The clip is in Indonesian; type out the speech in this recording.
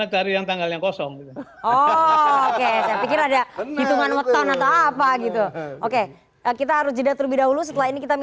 kan gue bukan tim delapan